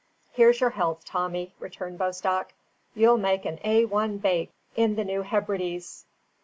"Here's your health, Tommy," returned Bostock. "You'll make an A one bake in the New Hebrides."